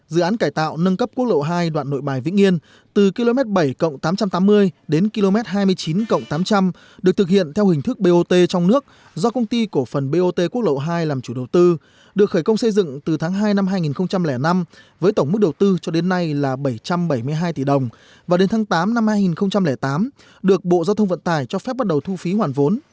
dự án cải tạo nâng cấp quốc lộ hai đoạn nội bài vĩnh yên từ km bảy tám trăm tám mươi đến km hai mươi chín tám trăm linh được thực hiện theo hình thức bot trong nước do công ty của phần bot quốc lộ hai làm chủ đầu tư được khởi công xây dựng từ tháng hai năm hai nghìn năm với tổng mức đầu tư cho đến nay là bảy trăm bảy mươi hai tỷ đồng và đến tháng tám năm hai nghìn tám được bộ giao thông vận tải cho phép bán